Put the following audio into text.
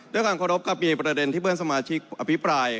ด้วยการขอรบกับมีประเด็นที่เพื่อนสามมอเตชีกอภิปราย